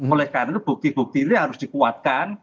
oleh karena itu bukti bukti ini harus dikuatkan